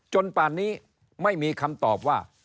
ป่านนี้ไม่มีคำตอบว่า